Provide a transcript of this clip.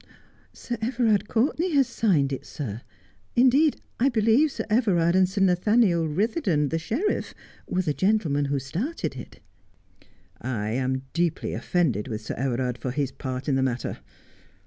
' Sir Everard Courtenay has signed it, sir. Indeed, I believe Sir Everard and Sir Nathaniel Eitherdon, the sheriff, were the gentlemen who started it.' ' I am deeply offended with Sir Everard for his part in the matter.